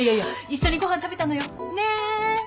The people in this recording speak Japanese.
一緒にご飯食べたのよね？